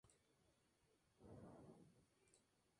Los miembros de la banda proceden de Alemania, Austria y Suiza.